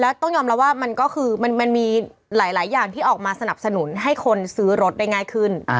แล้วต้องยอมรับว่ามันก็คือมันมีหลายอย่างที่ออกมาสนับสนุนให้คนซื้อรถได้ง่ายขึ้น